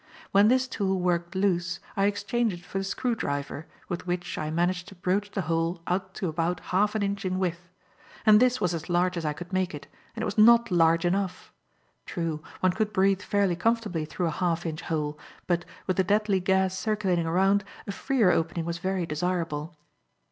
When this tool worked loose, I exchanged it for the screwdriver, with which I managed to broach the hole out to about half an inch in width. And this was as large as I could make it, and it was not large enough. True, one could breathe fairly comfortably through a half inch hole, but, with the deadly gas circulating around, a freer opening was very desirable.